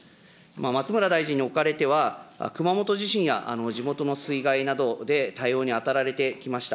松村大臣におかれては、熊本地震や地元の水害などで、対応に当たられてきました。